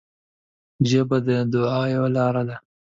ژبه د دعا یوه لاره ده